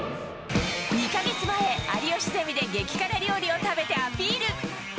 ２か月前、有吉ゼミで激辛料理を食べてアピール。